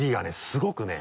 すごくね。